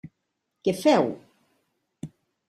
Què feu?